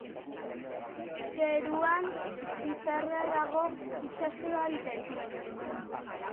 Zeruan izarra dago itsaso aldetik.